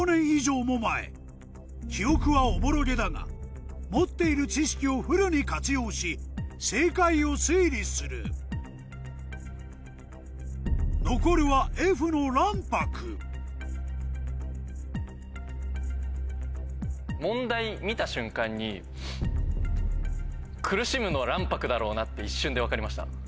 記憶はおぼろげだが持っている知識をフルに活用し正解を推理する残るはＦの卵白問題見た瞬間に苦しむのは卵白だろうなって一瞬で分かりました。